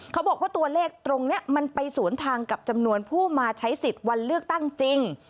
เขาบอกว่าตัวเลขตรงนี้มันไปสวนทางกับจำนวนผู้มาใช้สิทธิ์วันเลือกตั้งจริง